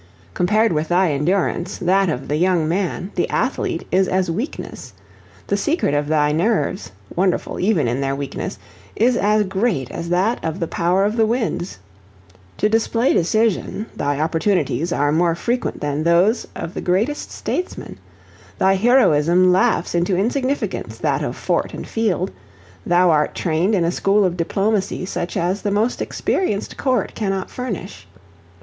Compared with thy endurance, that of the young man, the athlete, is as weakness; the secret of thy nerves, wonderful even in their weakness, is as great as that of the power of the winds. To display decision, thy opportunities are more frequent than those of the greatest statesman; thy heroism laughs into insignificance that of fort and field; thou art trained in a school of diplomacy such as the most experienced court cannot furnish.